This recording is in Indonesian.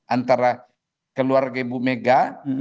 antara keluarga ibu mega